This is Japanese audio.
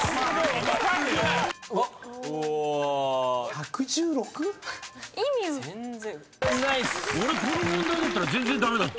俺この問題だったら全然駄目だったよ。